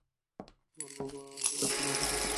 ওর বাবা ওকে ডাক্তার বানাতে চেয়েছিলো।